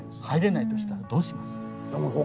入れないとしたらどうします？